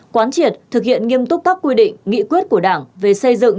quán triệt thực hiện nghiêm túc các quy định nghị quyết của đảng về xây dựng